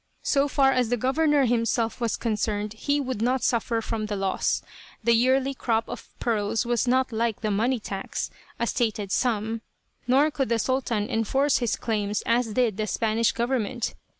So far as the governor himself was concerned he would not suffer from the loss. The yearly crop of pearls was not like the money tax, a stated sum, nor could the Sultan enforce his claims as did the Spanish government.